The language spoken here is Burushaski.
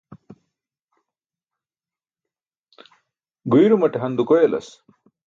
Guirumaṭe han dukoyalas.